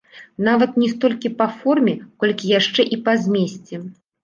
Нават не столькі па форме, колькі яшчэ і па змесце.